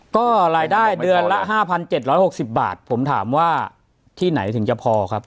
ก็รายได้เดือนละ๕๗๖๐บาทผมถามว่าที่ไหนถึงจะพอครับ